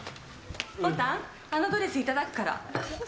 ぼたん、あのドレスいただくから。